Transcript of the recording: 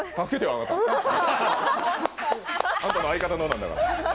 あなたの相方なんだから。